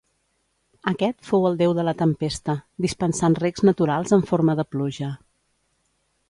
Aquest fou el déu de la tempesta, dispensant regs naturals en forma de pluja.